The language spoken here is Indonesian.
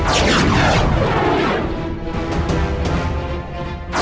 selama beberapa mega pack